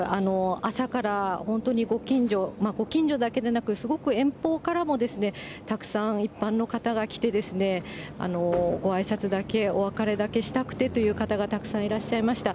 朝から本当にご近所、ご近所だけでなく、すごく遠方からもたくさん一般の方が来て、ごあいさつだけ、お別れだけしたくてという方がたくさんいらっしゃいました。